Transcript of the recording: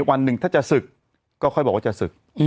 วันหนึ่งถ้าจะศึกก็ค่อยบอกว่าจะศึก